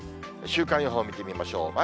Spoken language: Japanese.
週間予報を見てみましょう。